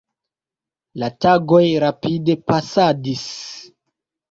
La tagoj rapide pasadis.